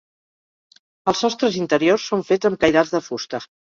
Els sostres interiors són fets amb cairats de fusta.